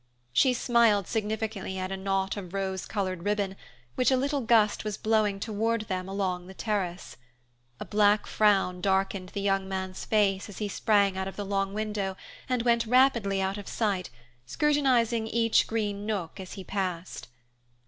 She smiled significantly at a knot of rose colored ribbon, which a little gust was blowing toward them along the terrace. A black frown darkened the young man's face as he sprang out of the long window and went rapidly out of sight, scrutinizing each green nook as he passed.